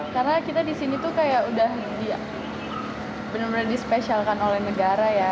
karena kita di sini tuh kayak udah bener bener dispesialkan oleh negara ya